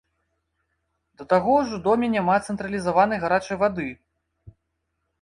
Да таго ж у доме няма цэнтралізаванай гарачай вады!